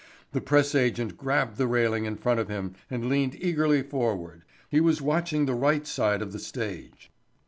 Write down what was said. The press agent grabbed the railing in front of him and leaned eagerly forward. He was watching the right side of the stage.